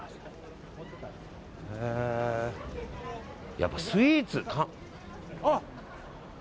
やっぱスイーツか。